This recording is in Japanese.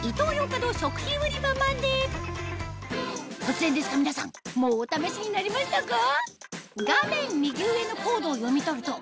突然ですが皆さんもうお試しになりましたか？